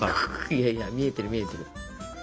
いやいや見えてる見えてる。